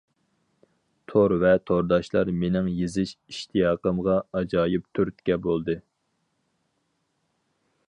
تور ۋە تورداشلار مېنىڭ يېزىش ئىشتىياقىمغا ئاجايىپ تۈرتكە بولدى.